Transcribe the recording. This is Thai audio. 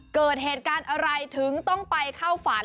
เกิดเหตุการณ์อะไรถึงต้องไปเข้าฝัน